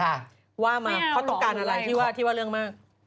ว่ามาเพราะต้องกันอะไรที่ว่าเรื่องมาก